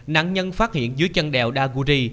nạn nhân phát hiện dưới chân đèo đa guri